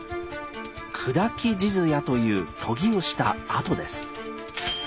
「砕き地艶」という研ぎをしたあとです。